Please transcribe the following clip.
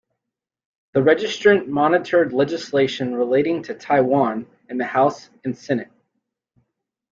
The registrant monitored legislation relating to Taiwan in the House and Senate.